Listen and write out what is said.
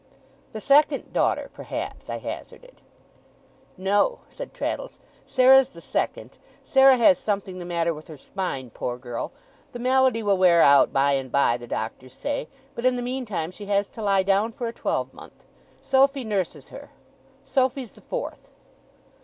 'The second daughter, perhaps?' I hazarded. 'No,' said Traddles. 'Sarah's the second. Sarah has something the matter with her spine, poor girl. The malady will wear out by and by, the doctors say, but in the meantime she has to lie down for a twelvemonth. Sophy nurses her. Sophy's the fourth.